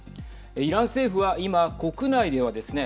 イラン政府は今、国内ではですね